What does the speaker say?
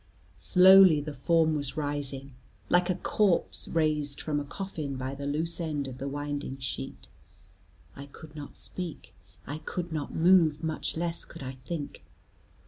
Slowly the form was rising, like a corpse raised from a coffin by the loose end of the winding sheet. I could not speak, I could not move, much less could I think.